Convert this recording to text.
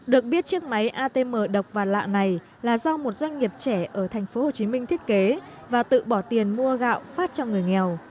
được biết chiếc máy atm độc và lạ này là do một doanh nghiệp trẻ ở thành phố hồ chí minh thiết kế và tự bỏ tiền mua gạo phát cho người nghèo